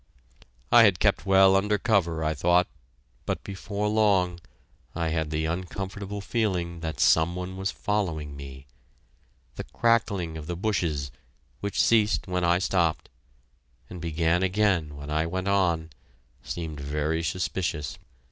I had kept well under cover, I thought, but before long I had the uncomfortable feeling that some one was following me; the crackling of the bushes, which ceased when I stopped, and began again when I went on, seemed very suspicious.